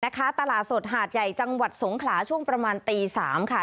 ตลาดสดหาดใหญ่จังหวัดสงขลาช่วงประมาณตี๓ค่ะ